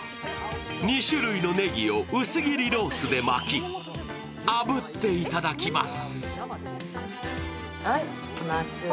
２種類のねぎを薄切りロースで巻きあぶって頂きます。